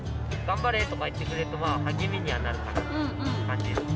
「頑張れ」とか言ってくれるとまあ励みにはなるかな。